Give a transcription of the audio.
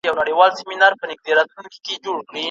چي هر څوک یې سي پاچا دوی غلامان دي